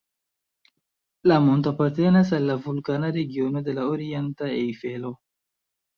La monto apartenas al la vulkana regiono de la orienta Ejfelo.